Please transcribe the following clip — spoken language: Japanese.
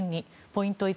ポイント１。